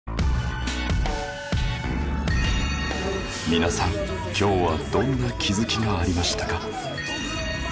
皆さん今日はどんな気づきがありましたか？